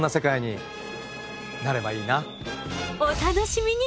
お楽しみに！